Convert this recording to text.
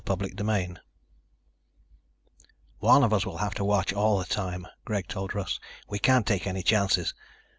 CHAPTER TEN "One of us will have to watch all the time," Greg told Russ. "We can't take any chances.